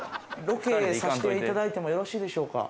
ロケさしていただいてもよろしいでしょうか？